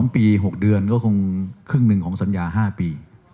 ๒ปี๖เดือนก็คงครึ่งหนึ่งของสัญญา๕ปี